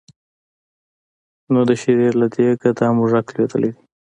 نو د شېرې له دېګه دا موږک لوېدلی دی.